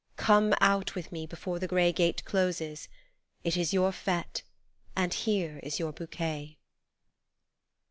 come out with me before the grey gate closes It is your fete and here is your bouquet